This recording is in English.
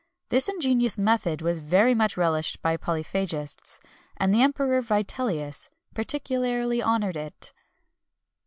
[XXI 235] This ingenious method was very much relished by polyphagists, and the Emperor Vitellius particularly honoured it.